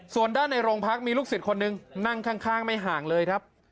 ส่วนด้านในโรงพักมีลูกศิษย์คนหนึ่งนั่งข้างไม่ห่างเลยครับ